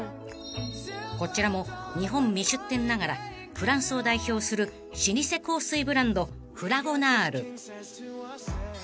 ［こちらも日本未出店ながらフランスを代表する老舗香水ブランドフラゴナール］